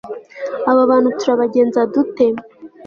aba bantu turabagenza dute